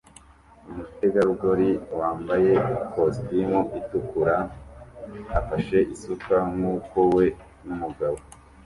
Umutegarugori wambaye ikositimu itukura afashe isuka nkuko we numugabo